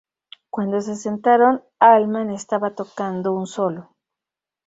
Cuando se sentaron, Allman estaba tocando un solo.